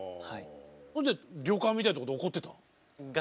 ほんで旅館みたいなところで怒ってた？